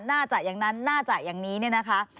น่าจะอย่างนั้นน่าจะอย่างนี้เนี่ยนะคะ